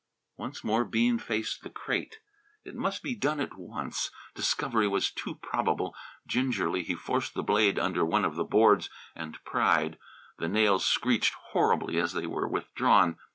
Once more Bean faced the crate. It must be done at once. Discovery was too probable. Gingerly he forced the blade under one of the boards and pried. The nails screeched horribly as they were withdrawn.